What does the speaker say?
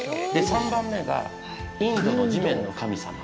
３番目が、インドの地面の神様。